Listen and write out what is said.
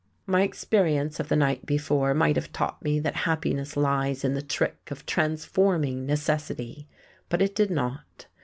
My experience of the night before might have taught me that happiness lies in the trick of transforming necessity, but it did not.